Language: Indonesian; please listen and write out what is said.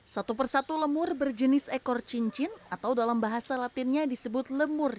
satu persatu lemur berjenis ekor cincin atau dalam bahasa latinnya disebut lemur